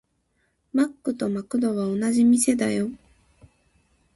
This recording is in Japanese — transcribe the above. マックとマクドは同じ店だよ。